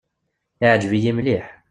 Iɛǧeb-iyi mliḥ.